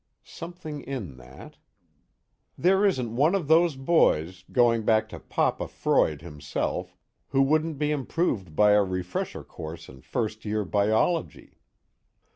Something in that.... "There isn't one of those boys, going back to Papa Freud himself, who wouldn't be improved by a refresher course in first year biology."